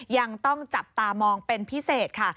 ยังต้องจับตามองเป็นพิเศษค่ะ